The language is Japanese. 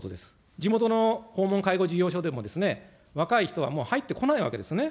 地元の訪問介護事業所でも、若い人はもう入ってこないわけですね。